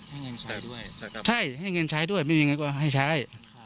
ให้เงินใช้ด้วยนะครับใช่ให้เงินใช้ด้วยไม่มีเงินก็ให้ใช้